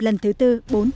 lần thứ tư bốn